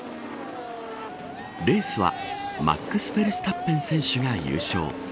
レースは、マックス・フェルスタッペン選手が優勝。